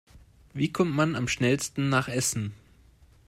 Wie kommt man am schnellsten nach Essen?